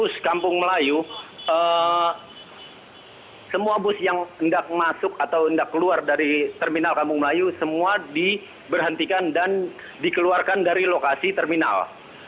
semua bus yang ingin masuk atau keluar dari terminal kampung melayu semua diberhentikan dan dikeluarkan dari lokasi terminal